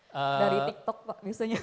dari tiktok pak biasanya